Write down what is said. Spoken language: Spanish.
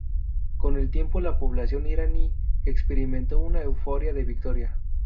Con el tiempo la población iraní experimentó una euforia de victoria.